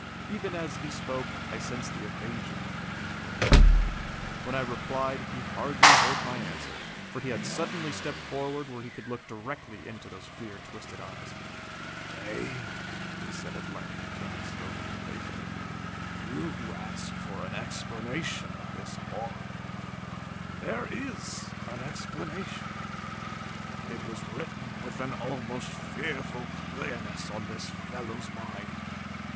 Even as he spoke, I sensed the evasion in his words. When I replied, he hardly heard my answer, for he had suddenly stepped forward, where he could look directly into those fear twisted eyes. "Dale," he said at length, turning slowly to face me, "you ask for an explanation of this horror? There is an explanation. It is written with an almost fearful clearness on this fellow's mind.